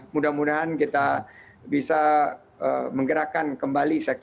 mudah mudahan kita bisa menggerakkan kembali sektor